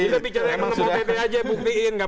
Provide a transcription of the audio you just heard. kita bicara yang nombor pp aja buktiin